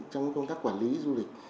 trong công tác quản lý du lịch